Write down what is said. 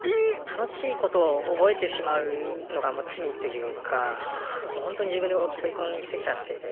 楽しいことを覚えてしまうのがもう罪というかもうほんとに自分で追い込みすぎちゃってて。